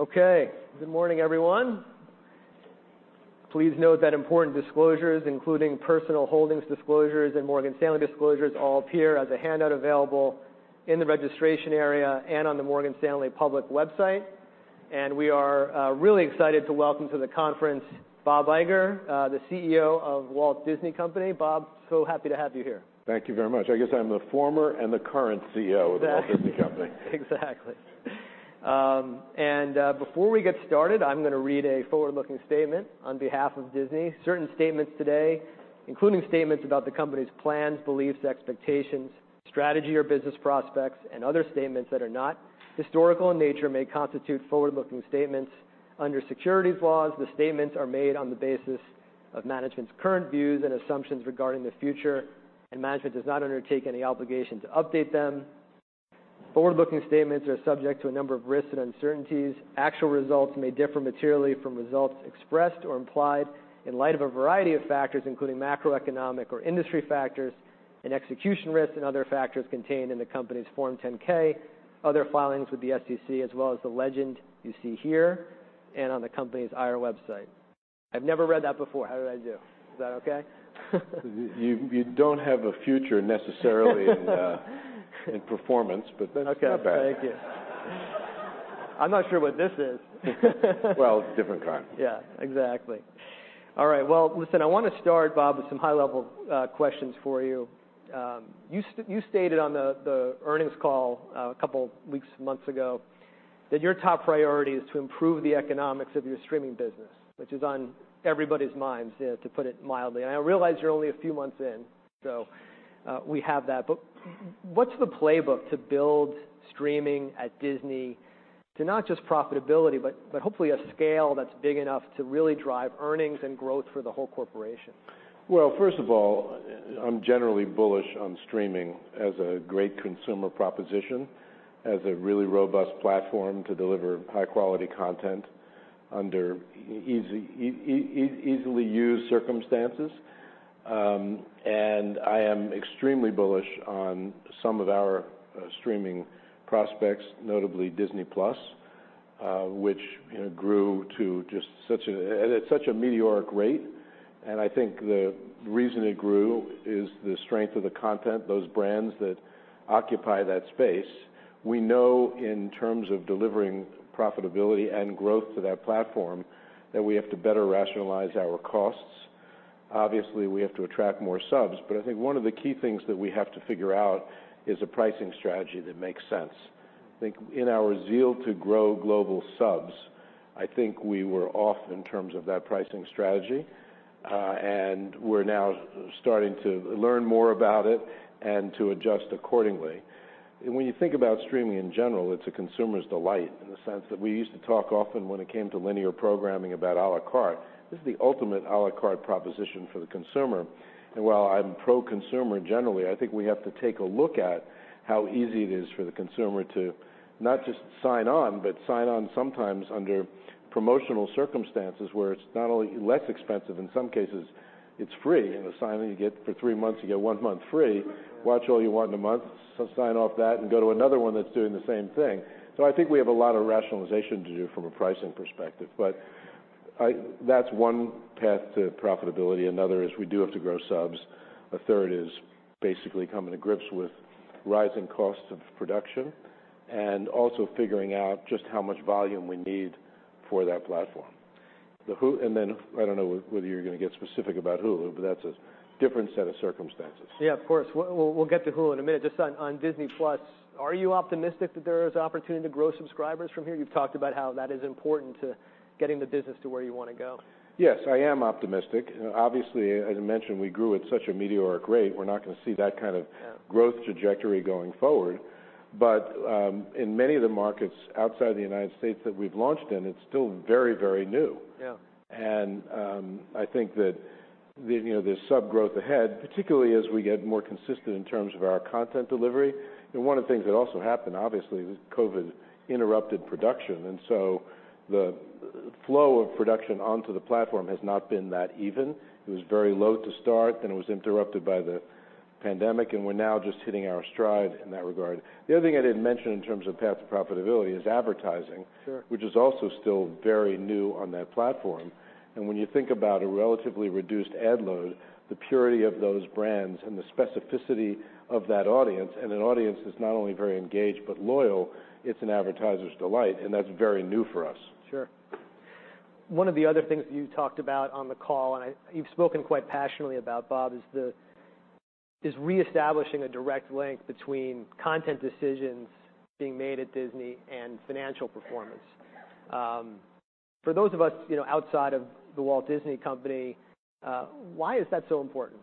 Okay. Good morning, every. Please note that important disclosures, including personal holdings disclosures and Morgan Stanley disclosures, all appear as a handout available in the registration area and on the Morgan Stanley public website. We are really excited to welcome to the conference Bob Iger, the CEO of Walt Disney Company. Bob, so happy to have you here. Thank you very much. I guess I'm the former and the current CEO of The Walt Disney Company. Exactly. Before we get started, I'm gonna read a forward-looking statement on behalf of Disney. Certain statements today, including statements about the company's plans, beliefs, expectations, strategy or business prospects and other statements that are not historical in nature, may constitute forward-looking statements under securities laws. The statements are made on the basis of management's current views and assumptions regarding the future, management does not undertake any obligation to update them. Forward-looking statements are subject to a number of risks and uncertainties. Actual results may differ materially from results expressed or implied in light of a variety of factors, including macroeconomic or industry factors and execution risks and other factors contained in the company's Form 10-K, other filings with the SEC, as well as the legend you see here and on the company's IR website. I've never read that before. How did I do? Is that okay? You don't have a future necessarily in performance, but that's not bad. Okay. Thank you. I'm not sure what this is. Well, different kind. Yeah, exactly. All right. Well, listen, I wanna start, Bob, with some high level questions for you. You stated on the earnings call a couple weeks and months ago that your top priority is to improve the economics of your streaming business, which is on everybody's minds, you know, to put it mildly. I realize you're only a few months in, so, we have that. What's the playbook to build streaming at Disney to not just profitability, but hopefully a scale that's big enough to really drive earnings and growth for the whole corporation? First of all, I'm generally bullish on streaming as a great consumer proposition, as a really robust platform to deliver high-quality content under easily used circumstances. I am extremely bullish on some of our streaming prospects, notably Disney+, which, you know, grew to just such a meteoric rate. I think the reason it grew is the strength of the content, those brands that occupy that space. We know in terms of delivering profitability and growth to that platform that we have to better rationalize our costs. Obviously, we have to attract more subs. I think one of the key things that we have to figure out is a pricing strategy that makes sense. I think in our zeal to grow global subs, I think we were off in terms of that pricing strategy, and we're now starting to learn more about it and to adjust accordingly. When you think about streaming in general, it's a consumer's delight in the sense that we used to talk often when it came to linear programming about à la carte. This is the ultimate à la carte proposition for the consumer. While I'm pro-consumer generally, I think we have to take a look at how easy it is for the consumer to not just sign on, but sign on sometimes under promotional circumstances where it's not only less expensive, in some cases it's free. You know, sign and you get for 3 months, you get 1 month free. Watch all you want in a month, sign off that and go to another one that's doing the same thing. I think we have a lot of rationalization to do from a pricing perspective. That's one path to profitability. Another is we do have to grow subs.A third is basically coming to grips with rising costs of production and also figuring out just how much volume we need for that platform. I don't know whether you're gonna get specific about Hulu, but that's a different set of circumstances. Yeah, of course. We'll get to Hulu in a minute. Just on Disney Plus, are you optimistic that there is opportunity to grow subscribers from here? You've talked about how that is important to getting the business to where you wanna go. Yes, I am optimistic. Obviously, as I mentioned, we grew at such a meteoric rate. We're not gonna see that kind of... Yeah... growth trajectory going forward. In many of the markets outside the United States that we've launched in, it's still very, very new. Yeah. I think that the, you know, the sub-growth ahead, particularly as we get more consistent in terms of our content delivery. One of the things that also happened, obviously, was COVID interrupted production, so the flow of production onto the platform has not been that even. It was very low to start, then it was interrupted by the pandemic, we're now just hitting our stride in that regard. The other thing I didn't mention in terms of path to profitability is advertising- Sure... which is also still very new on that platform. When you think about a relatively reduced ad load, the purity of those brands and the specificity of that audience, and an audience that's not only very engaged but loyal, it's an advertiser's delight, and that's very new for us. Sure. 11 of the other things you talked about on the call, you've spoken quite passionately about, Bob, is reestablishing a direct link between content decisions being made at Disney and financial performance. For those of us, you know, outside of The Walt Disney Company, why is that so important?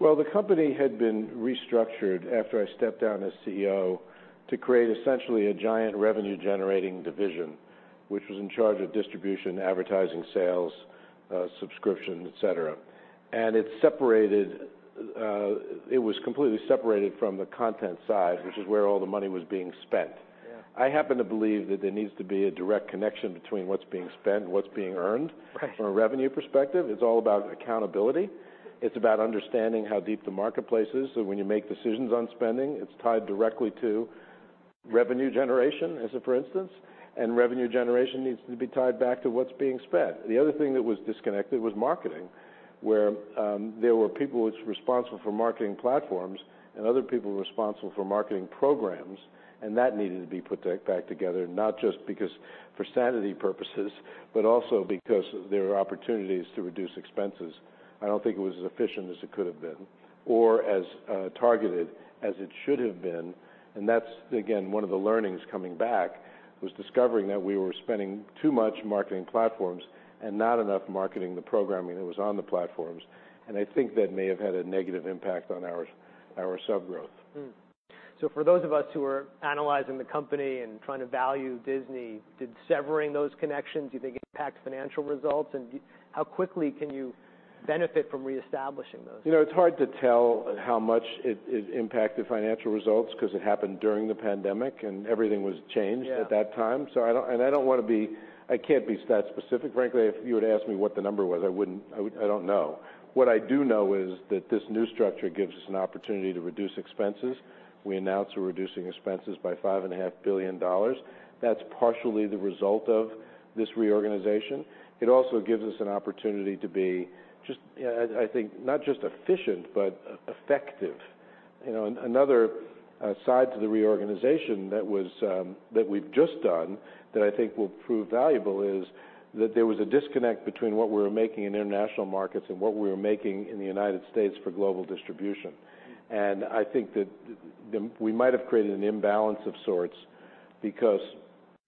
Well, the company had been restructured after I stepped down as CEO to create essentially a giant revenue-generating division, which was in charge of distribution, advertising, sales, subscription, et cetera. It separated, it was completely separated from the content side, which is where all the money was being spent. Yeah. I happen to believe that there needs to be a direct connection between what's being spent and what's being earned. Right... from a revenue perspective. It's all about accountability. It's about understanding how deep the marketplace is, so when you make decisions on spending, it's tied directly to revenue generation as a for instance, and revenue generation needs to be tied back to what's being spent. The other thing that was disconnected was marketing, where there were people which responsible for marketing platforms and other people responsible for marketing programs, and that needed to be put back together, not just because for sanity purposes but also because there are opportunities to reduce expenses. I don't think it was as efficient as it could have been or as targeted as it should have been, and that's again, 1 of the learnings coming back, was discovering that we were spending too much marketing platforms and not enough marketing the programming that was on the platforms. I think that may have had a negative impact on our sub growth. For those of us who are analyzing the company and trying to value Disney, did severing those connections, do you think, impact financial results? How quickly can you benefit from reestablishing those? You know, it's hard to tell how much it impacted financial results because it happened during the pandemic and everything was changed. Yeah at that time. I don't wanna be, I can't be stat specific. Frankly, if you were to ask me what the number was, I wouldn't, I don't know. What I do know is that this new structure gives us an opportunity to reduce expenses. We announced we're reducing expenses by five and a half billion dollars. That's partially the result of this reorganization. It also gives us an opportunity to be just I think not just efficient, but effective. You know, another side to the reorganization that was that we've just done that I think will prove valuable is that there was a disconnect between what we were making in international markets and what we were making in the United States for global distribution. I think that we might have created an imbalance of sorts because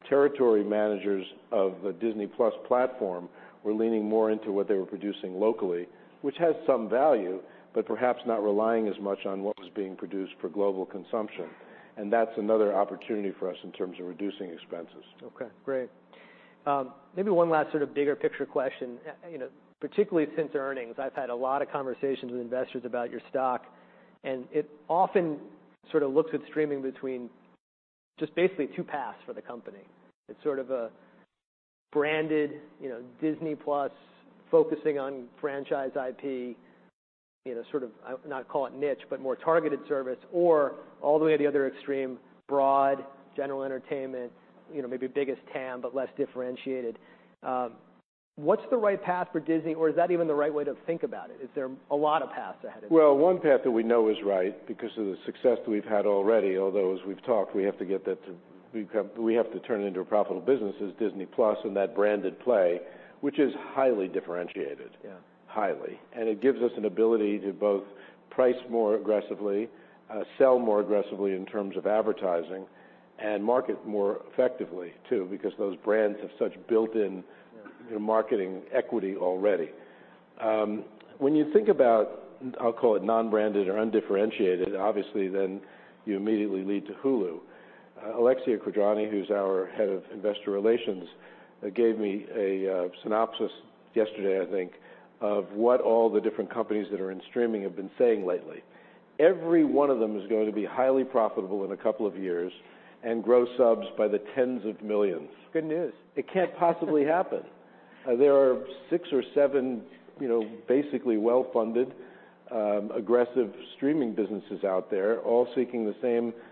territory managers of the Disney+ platform were leaning more into what they were producing locally, which has some value, but perhaps not relying as much on what was being produced for global consumption, and that's another opportunity for us in terms of reducing expenses. Okay. Great. Maybe last sort of bigger picture question? You know, particularly since earnings, I've had a lot of conversations with investors about your stock, and it often sort of looks at streaming between just basically two paths for the company. It's sort of a branded, you know, Disney+ focusing on franchise IP, you know, sort of, I would not call it niche, but more targeted service or all the way to the other extreme, broad general entertainment, you know, maybe biggest TAM, but less differentiated. What's the right path for Disney, or is that even the right way to think about it? Is there a lot of paths ahead of you? Well, one path that we know is right because of the success that we've had already, although as we've talked, we have to turn it into a profitable business, is Disney+ and that branded play, which is highly differentiated. Yeah. Highly. It gives us an ability to both price more aggressively, sell more aggressively in terms of advertising and market more effectively too because those brands have such built-in. Yeah You know, marketing equity already. When you think about, I'll call it non-branded or undifferentiated, obviously then you immediately lead to Hulu. Alexia Quadrani, who's our head of investor relations, gave me a synopsis yesterday, I think, of what all the different companies that are in streaming have been saying lately. Every 1 of them is going to be highly profitable in a couple of years and grow subs by the tens of millions. Good news. It can't possibly happen. There are 6 or 7, you know, basically well-funded, aggressive streaming businesses out there, all seeking the same subscribers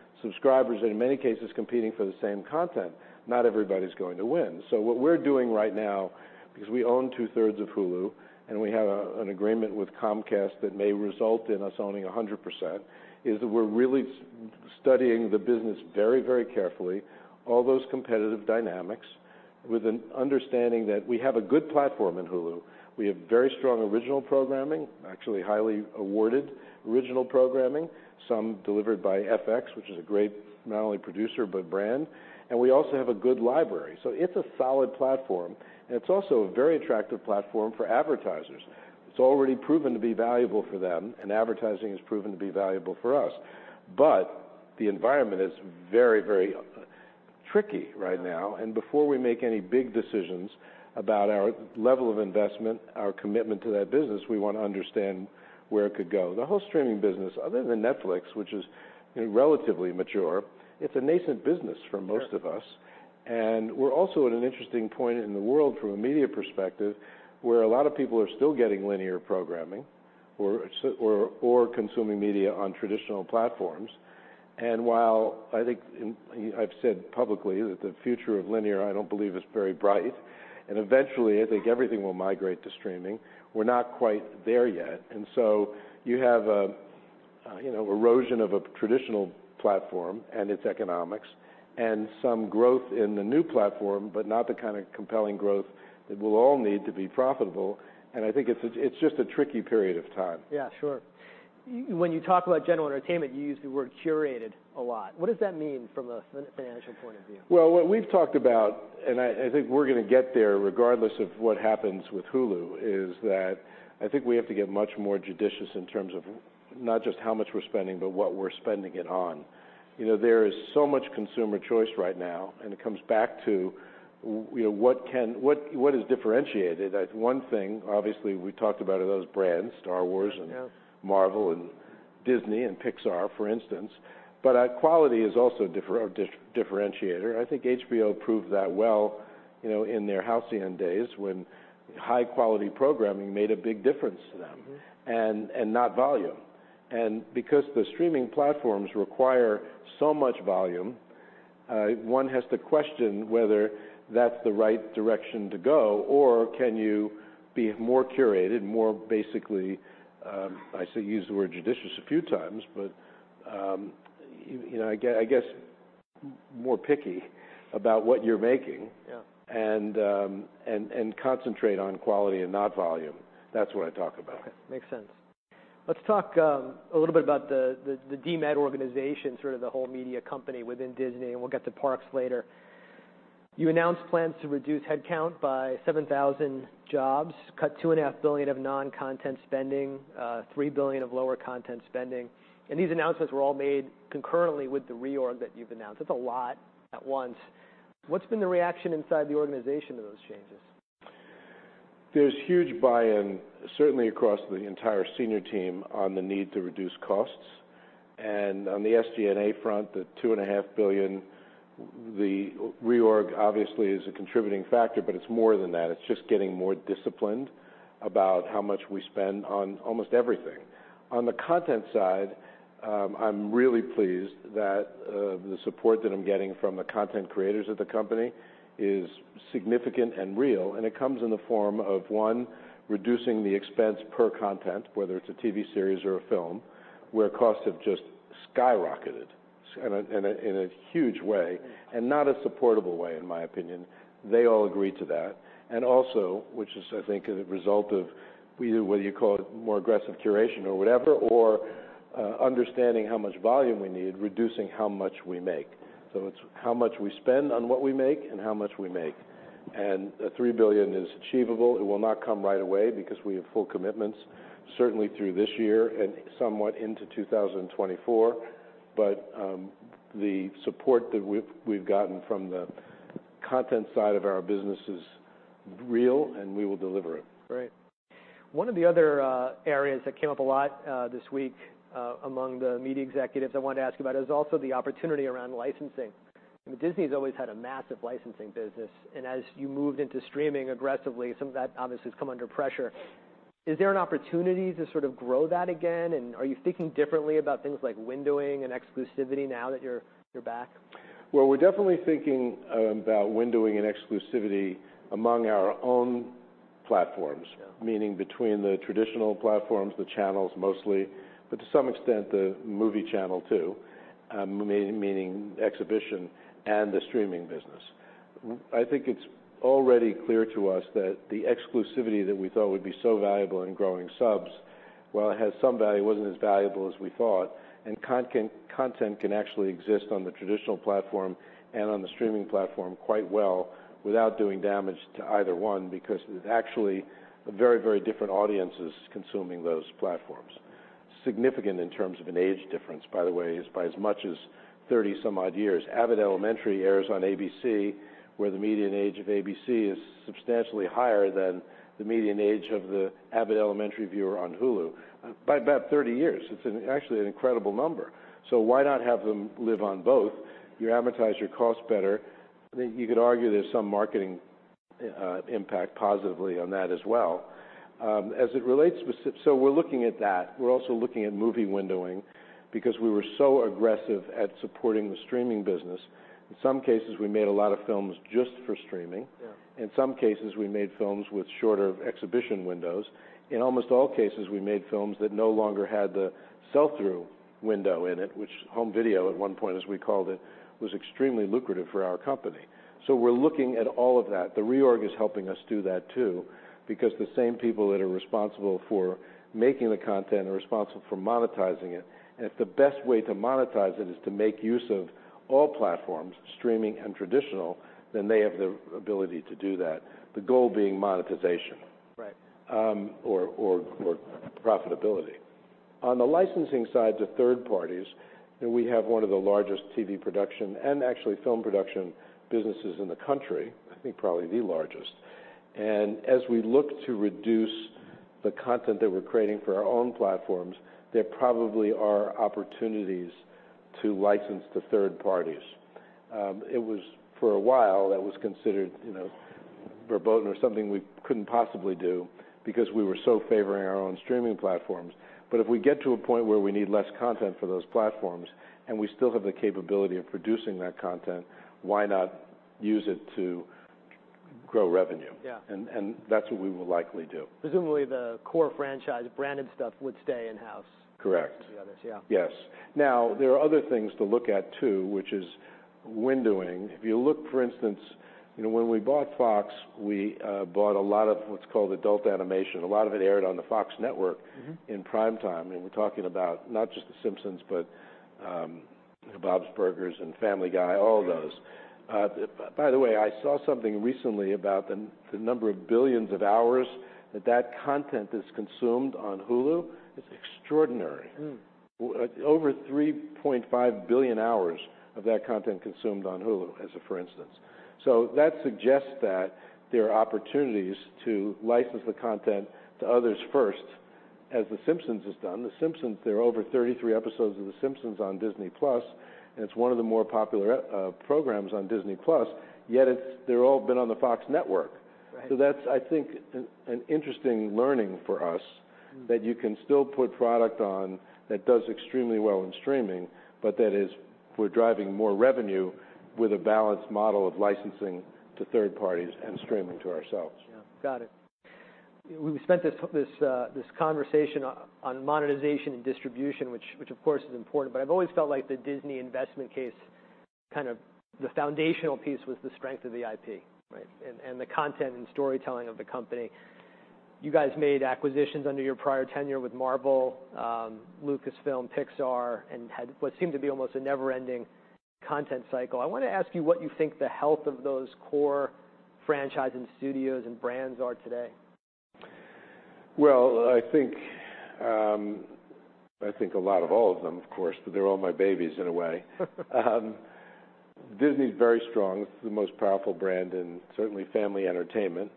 and in many cases competing for the same content. Not everybody's going to win. What we're doing right now, because we own 2/3 of Hulu, and we have an agreement with Comcast that may result in us owning 100%, is that we're really studying the business very, very carefully, all those competitive dynamics with an understanding that we have a good platform in Hulu. We have very strong original programming, actually highly awarded original programming, some delivered by FX, which is a great not only producer, but brand, and we also have a good library. It's a solid platform and it's also a very attractive platform for advertisers. It's already proven to be valuable for them, advertising has proven to be valuable for us. The environment is very, very tricky right now. Before we make any big decisions about our level of investment, our commitment to that business, we want to understand where it could go. The whole streaming business, other than Netflix, which is, you know, relatively mature, it's a nascent business for most of us. Sure. We're also at an interesting point in the world from a media perspective where a lot of people are still getting linear programming or consuming media on traditional platforms. While I think, and I've said publicly that the future of linear I don't believe is very bright, and eventually I think everything will migrate to streaming, we're not quite there yet. You have a, you know, erosion of a traditional platform and its economics and some growth in the new platform, but not the kind of compelling growth that we'll all need to be profitable. I think it's a, it's just a tricky period of time. Yeah, sure. When you talk about general entertainment, you use the word curated a lot. What does that mean from a financial point of view? Well, what we've talked about, and I think we're gonna get there regardless of what happens with Hulu, is that I think we have to get much more judicious in terms of not just how much we're spending, but what we're spending it on. You know, there is so much consumer choice right now, and it comes back to what is differentiated? 1 thing obviously we talked about are those brands, Star Wars and. Yeah Marvel and Disney and Pixar, for instance. Quality is also a differentiator. I think HBO proved that well, you know, in their halcyon days when high quality programming made a big difference to them. Mm-hmm... and not volume. Because the streaming platforms require so much volume, one has to question whether that's the right direction to go or can you be more curated, more basically, I see you use the word judicious a few times, you know, I guess more picky about what you're making. Yeah Concentrate on quality and not volume. That's what I talk about. Okay. Makes sense. Let's talk a little bit about the DMED organization, sort of the whole media company within Disney, and we'll get to parks later. You announced plans to reduce headcount by 7,000 jobs, cut $2.5 billion of non-content spending, $3 billion of lower content spending. These announcements were all made concurrently with the reorg that you've announced. That's a lot at once. What's been the reaction inside the organization to those changes? There's huge buy-in, certainly across the entire senior team, on the need to reduce costs. On the SG&A front, the two and a half billion, the reorg obviously is a contributing factor, but it's more than that. It's just getting more disciplined about how much we spend on almost everything. On the content side, I'm really pleased that the support that I'm getting from the content creators of the company is significant and real, and it comes in the form of, one, reducing the expense per content, whether it's a TV series or a film, where costs have just skyrocketed in a huge way. Yeah... and not a supportable way, in my opinion. They all agree to that. Also, which is I think is a result of we, whether you call it more aggressive curation or whatever, or understanding how much volume we need, reducing how much we make. It's how much we spend on what we make and how much we make. The $3 billion is achievable. It will not come right away because we have full commitments certainly through this year and somewhat into 2024. The support that we've gotten from the content side of our business is real, and we will deliver it. Great. One of the other areas that came up a lot this week among the media executives I wanted to ask about is also the opportunity around licensing. I mean, Disney's always had a massive licensing business, and as you moved into streaming aggressively, some of that obviously has come under pressure. Is there an opportunity to sort of grow that again, and are you thinking differently about things like windowing and exclusivity now that you're back? We're definitely thinking about windowing and exclusivity among our own platforms. Yeah. Meaning between the traditional platforms, the channels mostly, but to some extent the movie channel too, meaning exhibition and the streaming business. I think it's already clear to us that the exclusivity that we thought would be so valuable in growing subs, while it has some value, wasn't as valuable as we thought, and content can actually exist on the traditional platform and on the streaming platform quite well without doing damage to either one because it's actually very, very different audiences consuming those platforms. Significant in terms of an age difference, by the way, is by as much as 30 some odd years. Abbott Elementary airs on ABC, where the median age of ABC is substantially higher than the median age of the Abbott Elementary viewer on Hulu by about 30 years. It's an actually an incredible number. Why not have them live on both? You advertise your cost better. You could argue there's some marketing, impact positively on that as well. We're looking at that. We're also looking at movie windowing because we were so aggressive at supporting the streaming business. In some cases, we made a lot of films just for streaming. Yeah. In some cases, we made films with shorter exhibition windows. In almost all cases, we made films that no longer had the sell through window in it, which home video at one point, as we called it, was extremely lucrative for our company. We're looking at all of that. The reorg is helping us do that too because the same people that are responsible for making the content are responsible for monetizing it, and if the best way to monetize it is to make use of all platforms, streaming and traditional, then they have the ability to do that. The goal being monetization- Right... or profitability. On the licensing side to third parties, and we have one of the largest TV production and actually film production businesses in the country, I think probably the largest. As we look to reduce the content that we're creating for our own platforms, there probably are opportunities to license to third parties. It was for a while that was considered, you know, verboten or something we couldn't possibly do because we were so favoring our own streaming platforms. If we get to a point where we need less content for those platforms and we still have the capability of producing that content, why not use it to grow revenue? Yeah. That's what we will likely do. Presumably the core franchise branded stuff would stay in-house. Correct to the others. Yeah. Yes. Now, there are other things to look at too, which is windowing. If you look, for instance, you know, when we bought Fox, we bought a lot of what's called adult animation. A lot of it aired on the Fox network. Mm-hmm... in primetime. We're talking about not just The Simpsons, but Bob's Burgers and Family Guy, all of those. By the way, I saw something recently about the number of billions of hours that that content is consumed on Hulu. It's extraordinary. Hmm. Over 3.5 billion hours of that content consumed on Hulu as a for instance. That suggests that there are opportunities to license the content to others first-As The Simpsons has done. The Simpsons, there are over 33 episodes of The Simpsons on Disney+, and it's one of the more popular programs on Disney+, yet they've all been on the Fox network. Right. That's, I think, an interesting learning for us that you can still put product on that does extremely well in streaming, but we're driving more revenue with a balanced model of licensing to third parties and streaming to ourselves. Yeah. Got it. We spent this conversation on monetization and distribution which of course is important. I've always felt like the Disney investment case, kind of the foundational piece was the strength of the IP, right? The content and storytelling of the company. You guys made acquisitions under your prior tenure with Marvel, Lucasfilm, Pixar, and had what seemed to be almost a never-ending content cycle. I want to ask you what you think the health of those core franchising studios and brands are today. Well, I think a lot of all of them, of course, but they're all my babies in a way. Disney's very strong. It's the most powerful brand in certainly family entertainment.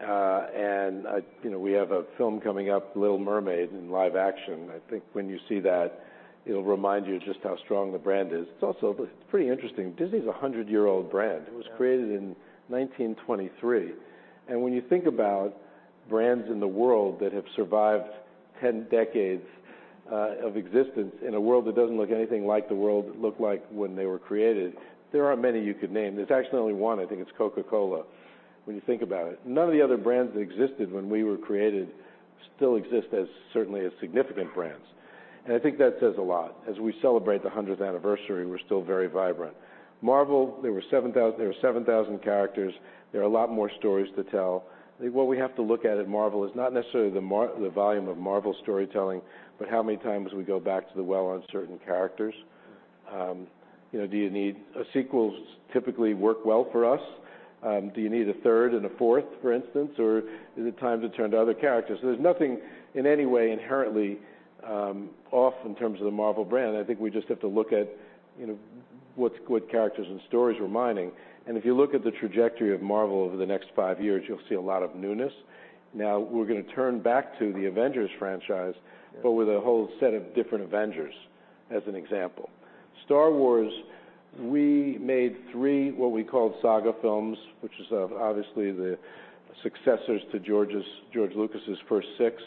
You know, we have a film coming up, Little Mermaid, in live action. I think when you see that, it'll remind you just how strong the brand is. It's also pretty interesting. Disney's a 100-year-old brand. Yeah. It was created in 1923. When you think about brands in the world that have survived 10 decades of existence in a world that doesn't look anything like the world looked like when they were created, there aren't many you could name. There's actually only one. I think it's Coca-Cola when you think about it. None of the other brands that existed when we were created still exist as certainly as significant brands. I think that says a lot. As we celebrate the 100th anniversary, we're still very vibrant. Marvel, there are 7,000 characters. There are a lot more stories to tell. I think what we have to look at at Marvel is not necessarily the volume of Marvel storytelling, but how many times we go back to the well on certain characters. you know, do you need... Sequels typically work well for us. Do you need a third and a fourth, for instance, or is it time to turn to other characters? There's nothing in any way inherently off in terms of the Marvel brand. I think we just have to look at, you know, what characters and stories we're mining. If you look at the trajectory of Marvel over the next five years, you'll see a lot of newness. Now we're gonna turn back to the Avengers franchise. Yeah... but with a whole set of different Avengers, as an example. Star Wars, we made 3 what we call saga films, which is obviously the successors to George Lucas's first 6.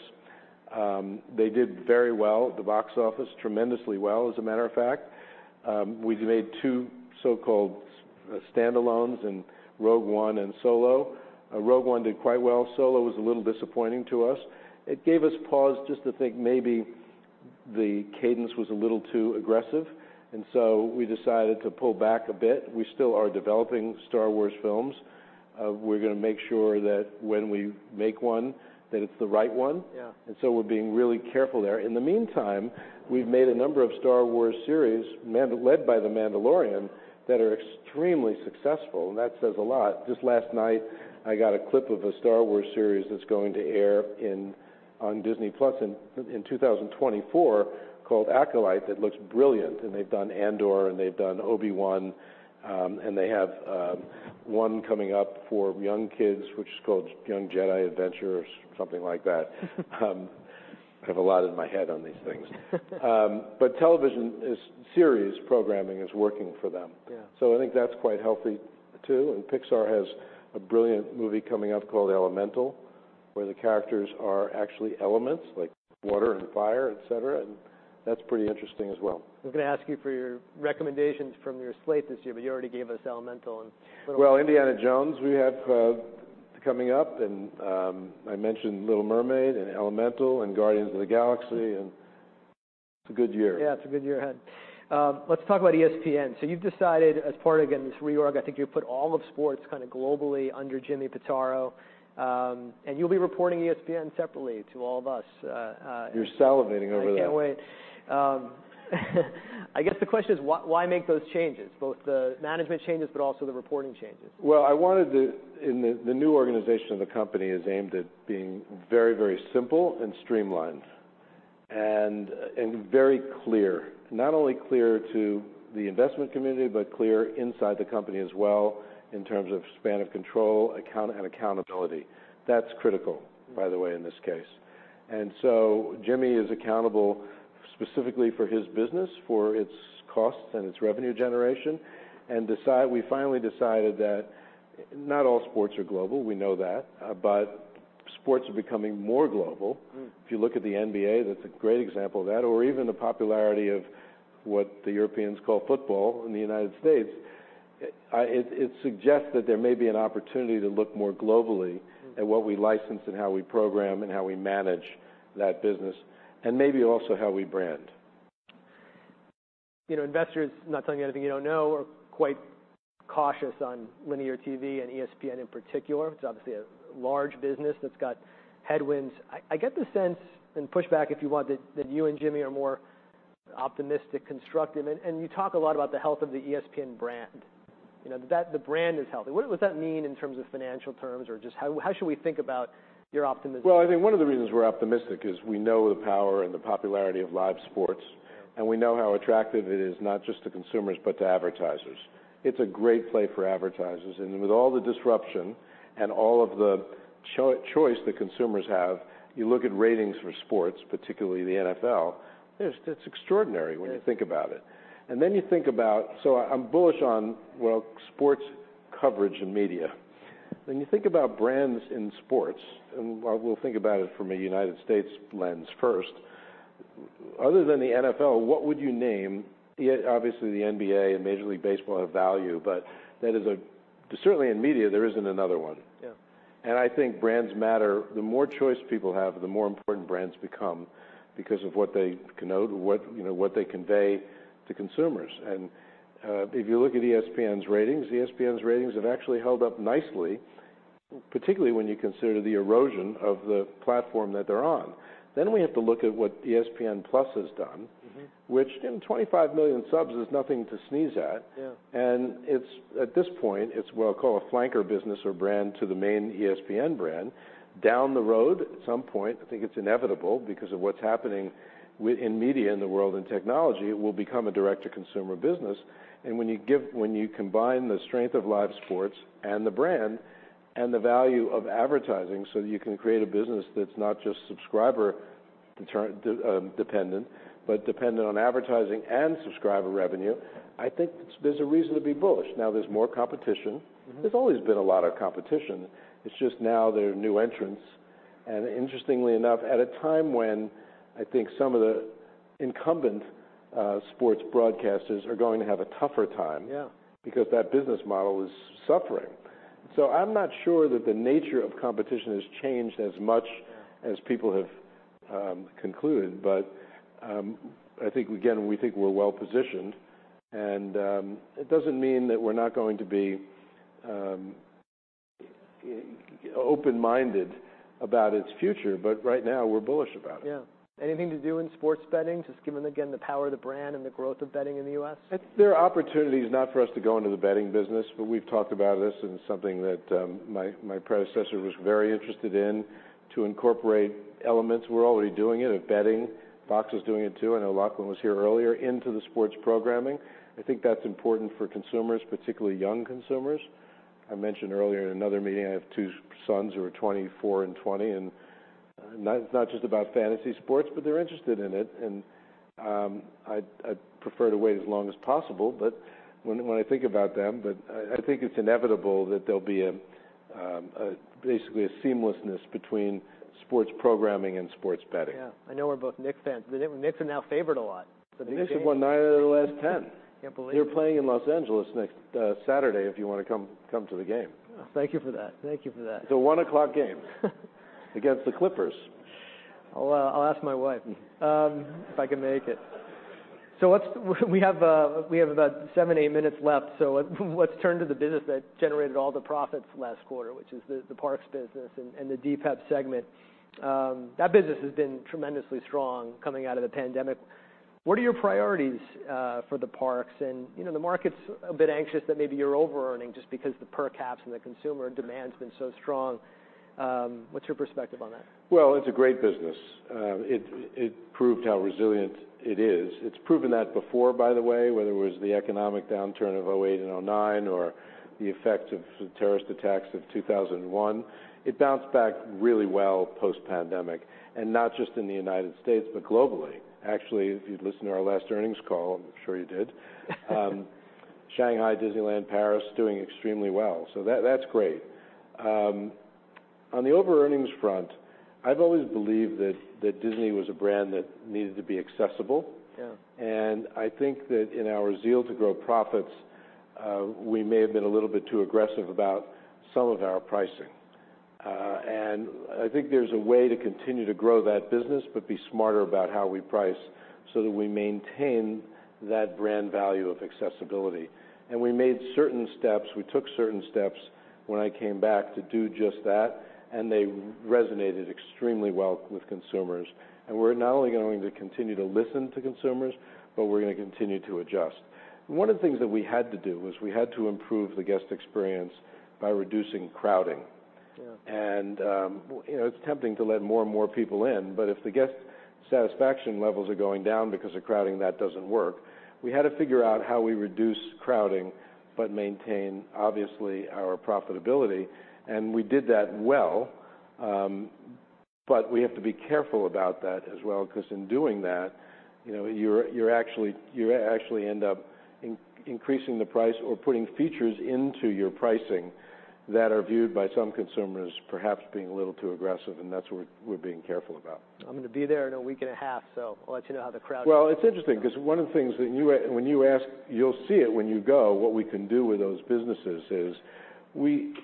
They did very well at the box office, tremendously well, as a matter of fact. We've made 2 so-called standalones in Rogue One and Solo. Rogue One did quite well. Solo was a little disappointing to us. It gave us pause just to think maybe the cadence was a little too aggressive, so we decided to pull back a bit. We still are developing Star Wars films. We're gonna make sure that when we make one, that it's the right one. Yeah. We're being really careful there. In the meantime, we've made a number of Star Wars series led by The Mandalorian that are extremely successful, and that says a lot. Just last night, I got a clip of a Star Wars series that's going to air on Disney+ in 2024 called Acolyte that looks brilliant. They've done Andor, and they've done Obi-Wan, and they have one coming up for young kids, which is called Young Jedi Adventure or something like that. I have a lot in my head on these things. Television series programming is working for them. Yeah. I think that's quite healthy too. Pixar has a brilliant movie coming up called Elemental, where the characters are actually elements like water and fire, et cetera, and that's pretty interesting as well. I was gonna ask you for your recommendations from your slate this year, but you already gave us Elemental. Indiana Jones we have, coming up, and, I mentioned Little Mermaid and Elemental and Guardians of the Galaxy, and it's a good year. Yeah, it's a good year ahead. Let's talk about ESPN. You've decided as part, again, this reorg, I think you put all of sports kinda globally under Jimmy Pitaro. And you'll be reporting ESPN separately to all of us. You're salivating over that. I can't wait. I guess the question is why make those changes, both the management changes but also the reporting changes? Well, the new organization of the company is aimed at being very, very simple and streamlined and very clear. Not only clear to the investment community, but clear inside the company as well in terms of span of control and accountability. That's critical, by the way, in this case. Jimmy is accountable specifically for his business, for its costs and its revenue generation. We finally decided that not all sports are global, we know that, sports are becoming more global. Mm. If you look at the NBA, that's a great example of that. Even the popularity of what the Europeans call football in the United States, it suggests that there may be an opportunity to look more globally... Mm at what we license and how we program and how we manage that business, and maybe also how we brand. You know, investors, not telling you anything you don't know, are quite cautious on linear TV and ESPN in particular. It's obviously a large business that's got headwinds. I get the sense, and pushback if you want, that you and Jimmy are more optimistic, constructive. You talk a lot about the health of the ESPN brand. You know, that the brand is healthy. What does that mean in terms of financial terms? Or just how should we think about your optimism? Well, I think one of the reasons we're optimistic is we know the power and the popularity of live sports. We know how attractive it is, not just to consumers, but to advertisers. It's a great play for advertisers. With all the disruption and all of the choice that consumers have, you look at ratings for sports, particularly the NFL, it's extraordinary when you think about it. Then you think about. I'm bullish on, well, sports coverage and media. When you think about brands in sports, and we'll think about it from a United States lens first. Other than the NFL, what would you name, obviously the NBA and Major League Baseball have value, but that is. Certainly in media there isn't another one. Yeah. I think brands matter. The more choice people have, the more important brands become because of what they connote or what, you know, what they convey to consumers. If you look at ESPN's ratings, ESPN's ratings have actually held up nicely, particularly when you consider the erosion of the platform that they're on. We have to look at what ESPN+ has done. Mm-hmm. Again, 25 million subs is nothing to sneeze at. Yeah. It's, at this point, it's what I call a flanker business or brand to the main ESPN brand. Down the road at some point, I think it's inevitable because of what's happening in media in the world and technology, it will become a direct to consumer business. When you combine the strength of live sports and the brand and the value of advertising, so that you can create a business that's not just subscriber dependent, but dependent on advertising and subscriber revenue, I think there's a reason to be bullish. Now there's more competition. Mm-hmm. There's always been a lot of competition. It's just now there are new entrants. Interestingly enough, at a time when I think some of the incumbent, sports broadcasters are going to have a tougher time. Yeah... because that business model is suffering. I'm not sure that the nature of competition has changed as much- Yeah... as people have concluded. I think again, we think we're well-positioned and it doesn't mean that we're not going to be open-minded about its future. Right now we're bullish about it. Yeah. Anything to do in sports betting, just given again, the power of the brand and the growth of betting in the U.S.? There are opportunities not for us to go into the betting business, but we've talked about this and something that my predecessor was very interested in to incorporate elements. We're already doing it, betting, Fox is doing it too. I know Lachlan was here earlier, into the sports programming. I think that's important for consumers, particularly young consumers. I mentioned earlier in another meeting, I have two sons who are 24 and 20, it's not just about fantasy sports, but they're interested in it. I'd prefer to wait as long as possible, but when I think about them. I think it's inevitable that there'll be basically a seamlessness between sports programming and sports betting. Yeah. I know we're both Knicks fans. The Knicks are now favored a lot. The Knicks have won 9 out of the last 10. Can't believe it. They're playing in Los Angeles next Saturday, if you want to come to the game. Thank you for that. It's a one o'clock game. Against the Clippers. I'll ask my wife if I can make it. We have about 7, 8 minutes left. Let's turn to the business that generated all the profits last quarter, which is the parks business and the DPEP segment. That business has been tremendously strong coming out of the pandemic. What are your priorities for the parks? You know, the market's a bit anxious that maybe you're overearning just because the per caps and the consumer demand's been so strong. What's your perspective on that? Well, it's a great business. It proved how resilient it is. It's proven that before, by the way, whether it was the economic downturn of 2008 and 2009 or the effect of the terrorist attacks of 2001, it bounced back really well post-pandemic. Not just in the United States, but globally. Actually, if you'd listen to our last earnings call, I'm sure you did, Shanghai, Disneyland, Paris, doing extremely well. That's great. On the overearnings front, I've always believed that Disney was a brand that needed to be accessible. Yeah. I think that in our zeal to grow profits, we may have been a little bit too aggressive about some of our pricing. I think there's a way to continue to grow that business but be smarter about how we price so that we maintain that brand value of accessibility. We made certain steps. We took certain steps when I came back to do just that, and they resonated extremely well with consumers. We're not only going to continue to listen to consumers, but we're going to continue to adjust. One of the things that we had to do was we had to improve the guest experience by reducing crowding. Yeah. You know, it's tempting to let more and more people in, but if the guest satisfaction levels are going down because of crowding, that doesn't work. We had to figure out how we reduce crowding but maintain, obviously, our profitability, and we did that well. We have to be careful about that as well, 'cause in doing that, you know, you're actually, you end up increasing the price or putting features into your pricing that are viewed by some consumers perhaps being a little too aggressive. That's what we're being careful about. I'm going to be there in a week and a half. I'll let you know how the crowds are. Well, it's interesting because one of the things that you'll see it when you go, what we can do with those businesses is we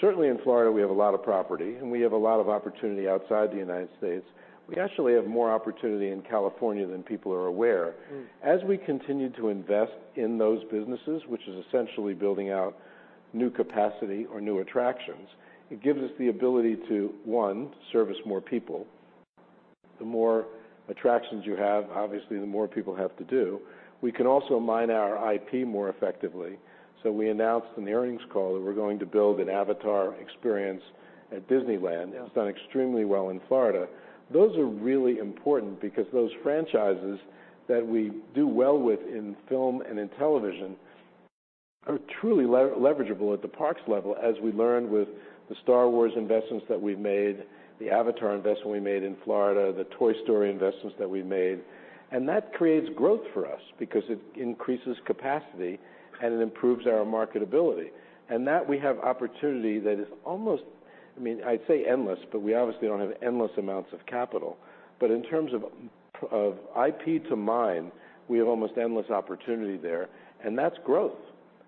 certainly in Florida, we have a lot of property and we have a lot of opportunity outside the United States. We actually have more opportunity in California than people are aware. As we continue to invest in those businesses, which is essentially building out new capacity or new attractions, it gives us the ability to, one, service more people. The more attractions you have, obviously the more people have to do. We can also mine our IP more effectively. We announced in the earnings call that we're going to build an Avatar experience at Disneyland. Yeah. It's done extremely well in Florida. Those are really important because those franchises that we do well with in film and in television are truly leveragable at the parks level, as we learned with the Star Wars investments that we've made, the Avatar investment we made in Florida, the Toy Story investments that we made. That creates growth for us because it increases capacity and it improves our marketability. That we have opportunity that is almost, I mean, I'd say endless, but we obviously don't have endless amounts of capital, but in terms of IP to mine, we have almost endless opportunity there, and that's growth.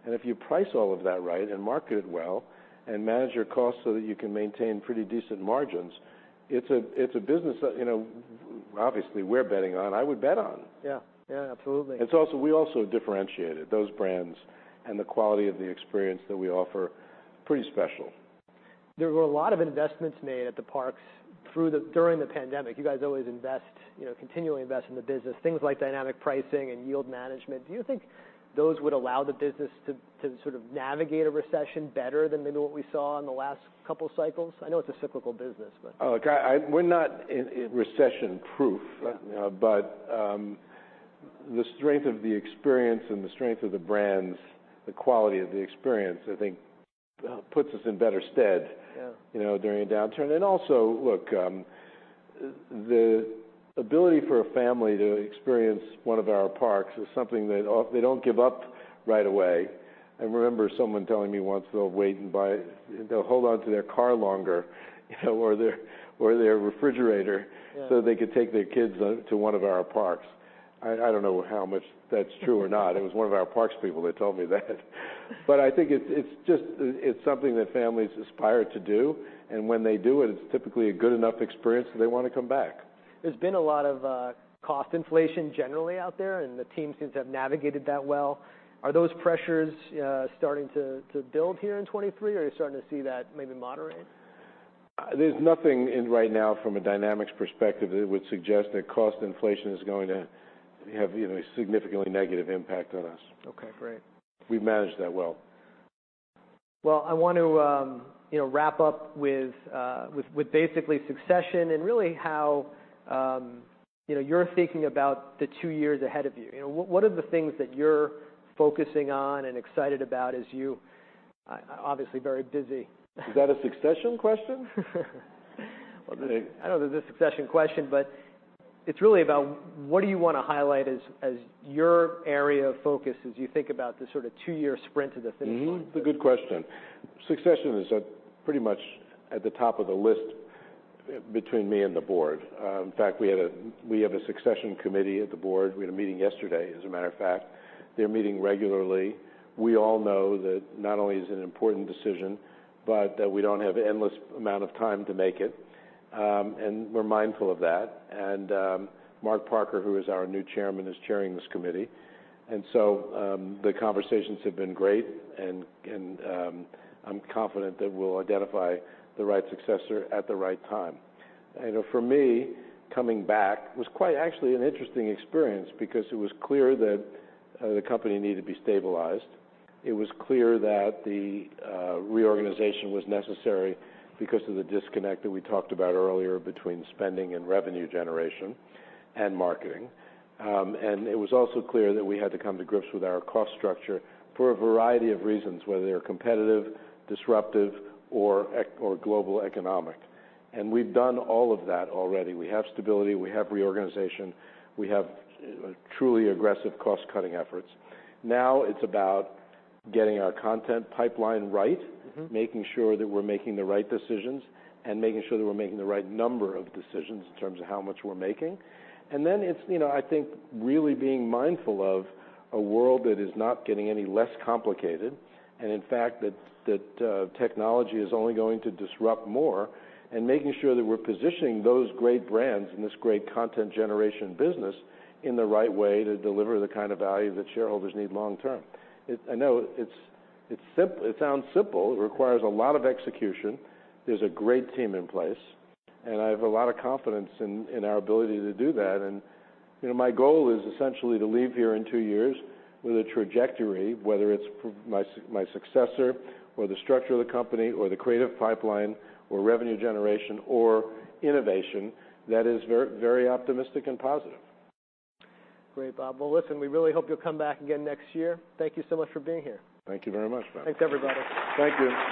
If you price all of that right and market it well and manage your costs so that you can maintain pretty decent margins, it's a, it's a business that, you know, obviously we're betting on, I would bet on. Yeah. Yeah, absolutely. We also differentiated those brands and the quality of the experience that we offer, pretty special. There were a lot of investments made at the parks during the pandemic. You guys always invest, you know, continually invest in the business, things like dynamic pricing and yield management. Do you think those would allow the business to sort of navigate a recession better than maybe what we saw in the last couple cycles? I know it's a cyclical business, but. Look, I, we're not re-recession proof. Right. The strength of the experience and the strength of the brands, the quality of the experience, I think, puts us in better stead. Yeah ...you know, during a downturn. Also, look, the ability for a family to experience one of our parks is something that they don't give up right away. I remember someone telling me once they'll wait. They'll hold on to their car longer, you know, or their refrigerator. Yeah... so they could take their kids, to one of our parks. I don't know how much that's true or not. It was one of our parks people that told me that. I think it's just, it's something that families aspire to do. When they do it's typically a good enough experience that they wanna come back. There's been a lot of cost inflation generally out there, and the team seems to have navigated that well. Are those pressures starting to build here in 2023, or are you starting to see that maybe moderate? There's nothing in right now from a dynamics perspective that would suggest that cost inflation is going to have, you know, a significantly negative impact on us. Okay, great. We've managed that well. Well, I want to, you know, wrap up with basically succession and really how, you know, you're thinking about the 2 years ahead of you. You know, what are the things that you're focusing on and excited about as you... Obviously very busy. Is that a succession question? I don't know if this is a succession question, but it's really about what do you wanna highlight as your area of focus as you think about the sort of 2-year sprint to the finish line? It's a good question. Succession is pretty much at the top of the list between me and the board. In fact, we have a succession committee at the board. We had a meeting yesterday, as a matter of fact. They're meeting regularly. We all know that not only is it an important decision, but that we don't have endless amount of time to make it. We're mindful of that. Mark Parker, who is our new chairman, is chairing this committee. The conversations have been great. I'm confident that we'll identify the right successor at the right time. You know, for me, coming back was quite actually an interesting experience because it was clear that the company needed to be stabilized. It was clear that the reorganization was necessary because of the disconnect that we talked about earlier between spending and revenue generation and marketing. It was also clear that we had to come to grips with our cost structure for a variety of reasons, whether they're competitive, disruptive, or global economic. We've done all of that already. We have stability. We have reorganization. We have truly aggressive cost-cutting efforts. Now it's about getting our content pipeline right. Mm-hmm... making sure that we're making the right decisions and making sure that we're making the right number of decisions in terms of how much we're making. Then it's, you know, I think really being mindful of a world that is not getting any less complicated and in fact, that technology is only going to disrupt more, and making sure that we're positioning those great brands and this great content generation business in the right way to deliver the kind of value that shareholders need long term. I know it sounds simple. It requires a lot of execution. There's a great team in place, and I have a lot of confidence in our ability to do that. you know, my goal is essentially to leave here in 2 years with a trajectory, whether it's for my successor or the structure of the company or the creative pipeline or revenue generation or innovation that is very optimistic and positive. Great, Bob. Well, listen, we really hope you'll come back again next year. Thank you so much for being here. Thank you very much, Matt. Thanks, everybody. Thank you.